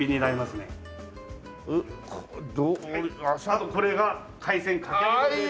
あとこれが海鮮かき揚げ丼です。